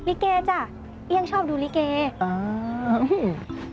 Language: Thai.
ลีเกย์จ้ะเอี่ยงชอบดูลีเกย์